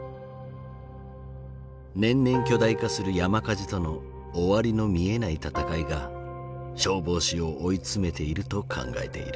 年々巨大化する山火事との終わりの見えない闘いが消防士を追い詰めていると考えている。